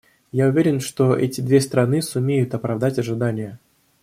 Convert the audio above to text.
Я уверен, что эти две страны сумеют оправдать ожидания.